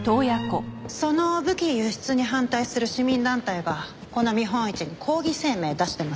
その武器輸出に反対する市民団体がこの見本市に抗議声明出してますよ。